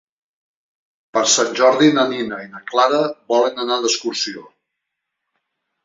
Per Sant Jordi na Nina i na Clara volen anar d'excursió.